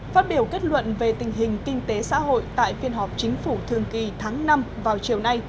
phát biểu kết luận về tình hình kinh tế xã hội tại phiên họp chính phủ thường kỳ tháng năm vào chiều nay